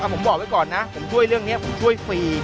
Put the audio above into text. ผมบอกไว้ก่อนนะผมช่วยเรื่องนี้ผมช่วยฟรี